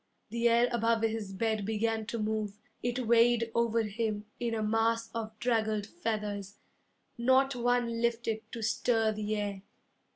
The air above his bed began to move; It weighed over him In a mass of draggled feathers. Not one lifted to stir the air.